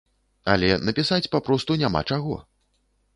Але напісаць папросту няма чаго!